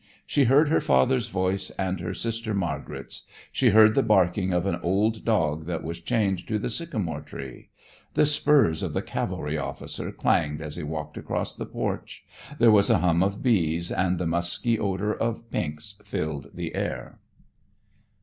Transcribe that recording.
She heard her father's voice, and her sister Margaret's. She heard the barking of an old dog that was chained to the sycamore tree. The spurs of the cavalry officer clanged as he walked across the porch. There was a hum of bees, and the musky odor of pinks filled the air."